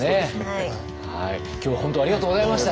今日は本当ありがとうございました。